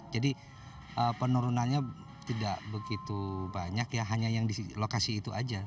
jadi penurunannya tidak begitu banyak ya hanya yang di lokasi itu saja